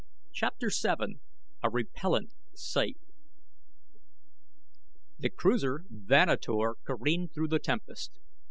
CHAPTER VII A REPELLENT SIGHT The cruiser Vanator careened through the tempest.